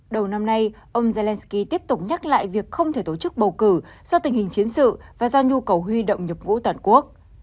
đầu năm nay ông zelensky tiếp tục nhắc lại việc không thể tổ chức bầu cử do tình hình chiến sự và do nhu cầu huy động nhập ngũ toàn quốc